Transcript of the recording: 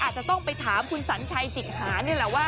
อาจจะต้องไปถามคุณสัญชัยจิตหานี่แหละว่า